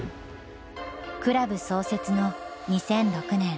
クラブ創設の２００６年。